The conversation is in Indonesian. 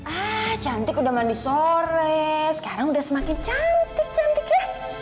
ah cantik udah mandi sore sekarang udah semakin cantik cantik ya